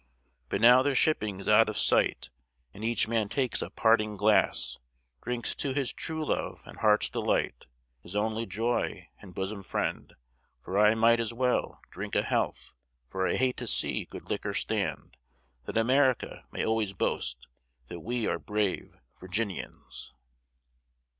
But now their shipping's out of sight, And each man takes a parting glass, Drinks to his true love and heart's delight, His only joy and bosom friend, For I might as well drink a health, For I hate to see good liquor stand, That America may always boast That we are brave Virginians.